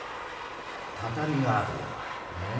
畳があるよこれ。